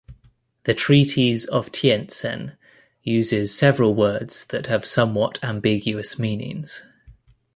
The Treaties of Tientsin uses several words that have somewhat ambiguous meanings.